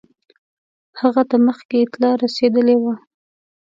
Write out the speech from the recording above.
هغه ته مخکي اطلاع رسېدلې وه.